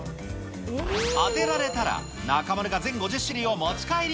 当てられたら、中丸が全５０種類を持ち帰り。